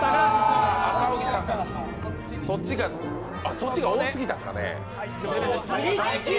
そっちが多すぎたんかね。